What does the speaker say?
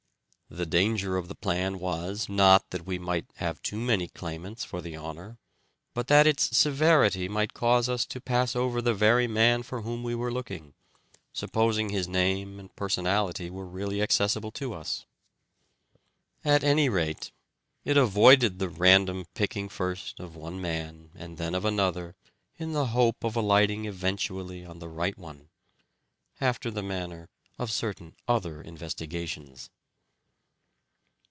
The danger of the plan was, not that we might have too many claimants for the honour, but that its severity might cause us to pass over the very man for whom we were looking, suppos ing his name and personality were really accessible to us. At any rate, it avoided the random picking first of one man and then of another in the hope of alighting eventually on the right one : after the manner of certain other investigations.